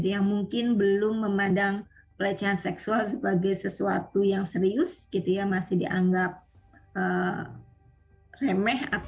yang mungkin belum memandang pelecehan seksual sebagai sesuatu yang serius gitu ya masih dianggap remeh